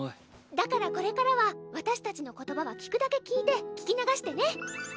だからこれからは私たちの言葉は聞くだけ聞いて聞き流してね。